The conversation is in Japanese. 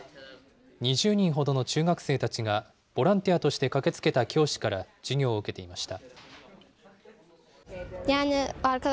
２０人ほどの中学生たちが、ボランティアとして駆けつけた教師から授業を受けていました。